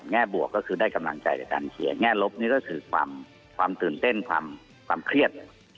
บวกก็คือได้กำลังใจจากการเขียนแง่ลบนี่ก็คือความตื่นเต้นความเครียด